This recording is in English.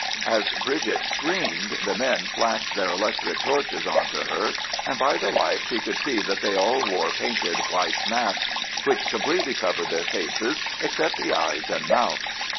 As Bridget screamed, the men flashed their electric torches on to her, and by the light she could see that they all wore painted white masks, which completely covered their faces except the eyes and mouth.